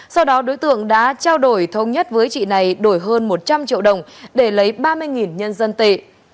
sau đó đối tượng đã trao đổi thông nhất với chị này đổi hơn một trăm linh triệu đồng để lấy ba mươi nhân dân tệ